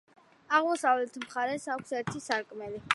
აღმოსავლეთ მხარეს აქვს ერთი სარკმელი.